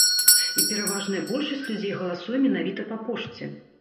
І пераважная большасць людзей галасуе менавіта па пошце.